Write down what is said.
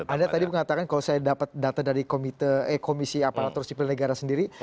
anda tadi mengatakan kalau saya dapat data dari komisi aparatur sipil negara sendiri